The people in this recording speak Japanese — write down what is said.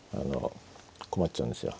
困っちゃうんですよ。